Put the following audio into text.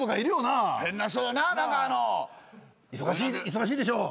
忙しいでしょ？